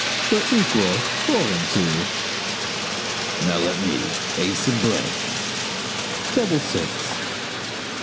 "We're equal. Four and two." "Now let me. Ace and blank." "Double six."